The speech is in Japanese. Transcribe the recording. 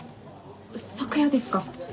昨夜ですか。